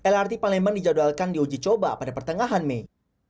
lrt palembang dijadwalkan di uji coba pada pertengahan mei